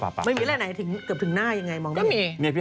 ไม่มีอะไรหลายถึงหน้ายังไงมองมา